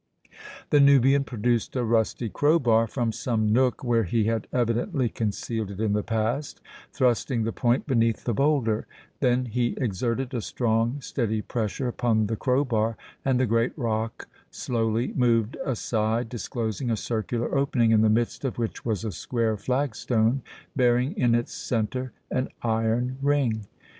The Nubian produced a rusty crowbar from some nook where he had evidently concealed it in the past, thrusting the point beneath the bowlder; then he exerted a strong, steady pressure upon the crowbar and the great rock slowly moved aside, disclosing a circular opening in the midst of which was a square flagstone bearing in its centre an iron ring.